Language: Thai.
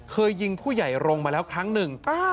เคยยิงผู้ใหญ่รงค์มาแล้วครั้งหนึ่ง